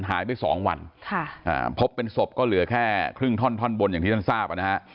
หายไป๒วันพบเป็นศพก็เหลือแค่ครึ่งท่อนท่อนบนอย่างที่ท่านทราบนะฮะ